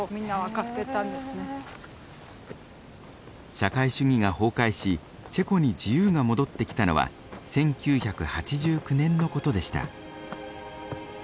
社会主義が崩壊しチェコに自由が戻ってきたのは１９８９年のことでした。